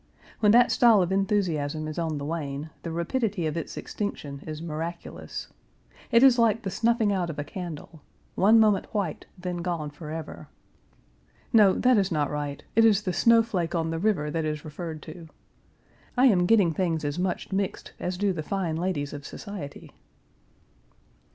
When that style of enthusiasm is on the wane, the rapidity of its extinction is miraculous. It is like the snuffing out of a candle; "one moment white, then gone forever." No, that is not right; it is the snow flake on the river that is referred to. I am getting things as much mixed as do the fine ladies of society.